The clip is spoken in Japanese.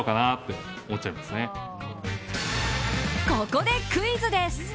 ここで、クイズです。